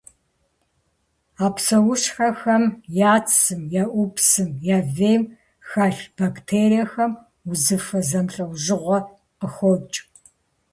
А псэущхьэхэм я цым, я ӏупсым, я вейм хэлъ бактериехэм узыфэ зэмылӏэужьыгъуэ къыхокӏ.